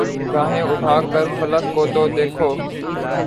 نگاھیں اٹھا کر فلک کو تو دیکھو